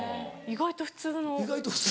意外と普通。